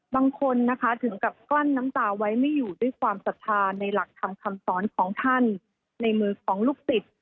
บางคนนะคะถึงกับกลั้นน้ำตาไว้ไม่อยู่ด้วยความศรัทธาในหลักธรรมคำสอนของท่านในมือของลูกศิษย์